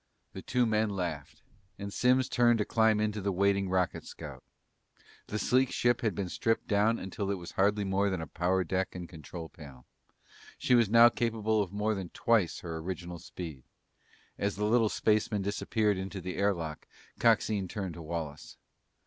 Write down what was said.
The two men laughed and Simms turned to climb into the waiting rocket scout. The sleek ship had been stripped down until it was hardly more than a power deck and control panel. She was now capable of more than twice her original speed. As the little spaceman disappeared into the air lock, Coxine turned to Wallace.